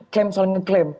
klaim soalnya klaim